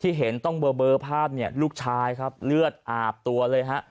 เห็นต้องเบอร์ภาพเนี่ยลูกชายครับเลือดอาบตัวเลยฮะ